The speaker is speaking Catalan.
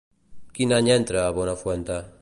Quin any entra a Buenafuente?